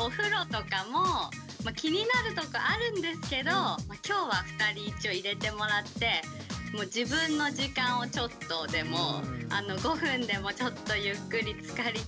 お風呂とかも気になるとこあるんですけど今日は２人一応入れてもらって５分でもちょっとゆっくりつかりたいから。